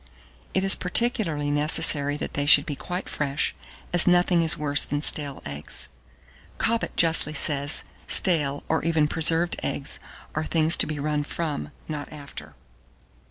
It is particularly necessary that they should be quite fresh, as nothing is worse than stale eggs. Cobbett justly says, stale, or even preserved eggs, are things to be run from, not after.